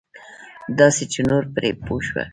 داسې چې نور پرې پوه شي.